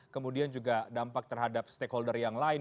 kemudian juga dampak terhadap stakeholder yang lain